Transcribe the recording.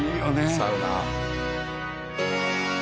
サウナ。